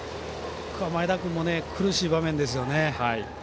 前田君も苦しい場面ですね。